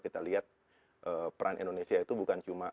kita lihat peran indonesia itu bukan cuma